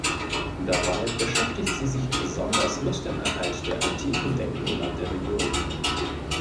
Dabei beschäftigt sie sich besonders mit dem Erhalt der antiken Denkmäler der Region.